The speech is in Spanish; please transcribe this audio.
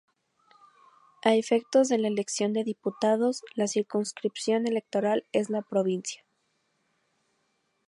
A efectos de la elección de diputados, la circunscripción electoral es la provincia.